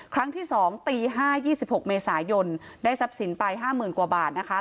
ครั้งที่สองตีห้ายี่สิบหกเมษายนได้ทรัพย์สินไปห้าหมื่นกว่าบาทนะค่ะ